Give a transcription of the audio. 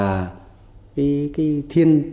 điều kiện của tỉnh quảng trị là